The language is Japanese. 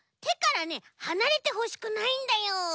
てからねはなれてほしくないんだよ。